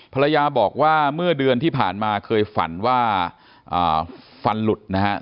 ภรรยาบอกว่าเมื่อเดือนที่ผ่านมาเคยฝันว่าฟันหลุดนะครับ